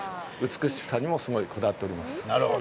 美しさにもこだわっております。